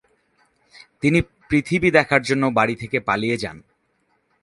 তিনি পৃথিবী দেখার জন্য বাড়ি থেকে পালিয়ে যান।